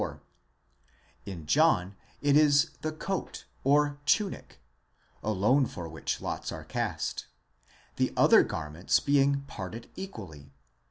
24): in John it is the coat or tunic, χιτὼν, alone for which lots are cast, the other garments being parted equally (v.